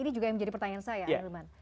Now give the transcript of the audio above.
ini juga yang menjadi pertanyaan saya ahilman